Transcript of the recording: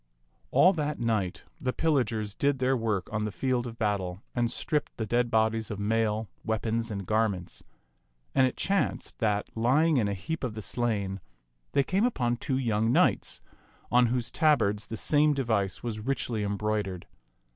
All that night the pillagers did their work on the field of battle, and stripped the dead bodies of mail, weapons, and garments. And it chanced that, lying in a heap of the slain, they came upon two young knights on whose tabards the same device was richly embroid ered.